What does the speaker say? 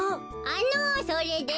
あのそれで？